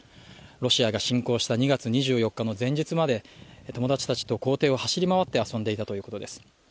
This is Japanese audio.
ロシアが侵攻した２月２４日の前日まで友達たちと校庭を走り回って遊んでいたということです。